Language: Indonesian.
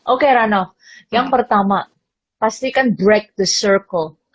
oke heranov yang pertama pastikan break the circle